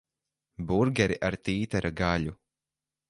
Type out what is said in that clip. Burgeri ar tītara gaļu.